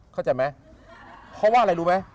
เข้าใจไหมเพราะว่าอะไรรู้ไหม